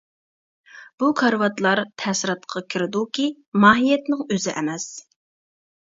بۇ كارىۋاتلار تەسىراتقا كىرىدۇكى، ماھىيەتنىڭ ئۆزى ئەمەس.